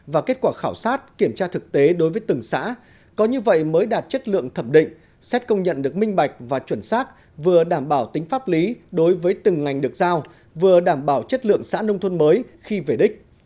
và kết quả khảo sát kiểm tra thực tế đối với từng xã có như vậy mới đạt chất lượng thẩm định xét công nhận được minh bạch và chuẩn xác vừa đảm bảo tính pháp lý đối với từng ngành được giao vừa đảm bảo chất lượng xã nông thôn mới khi về đích